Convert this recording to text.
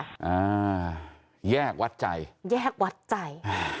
อ่าแยกวัดใจแยกวัดใจอ่า